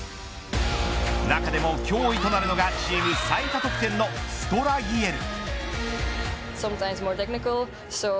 中でも脅威となるのがチーム最多得点のストラギエル。